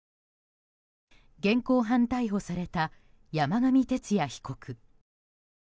現行犯逮捕された山上徹也被告。